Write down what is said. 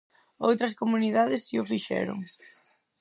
Outras comunidades si o fixeron.